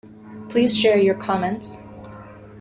Please share your comments.